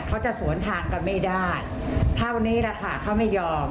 เขาจะสวนทางกันไม่ได้เท่านี้แหละค่ะเขาไม่ยอม